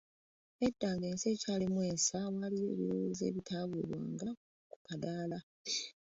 Edda ng'ensi ekyalimu ensa, waaliyo ebirowoozo ebitaweebwanga ku kadaala.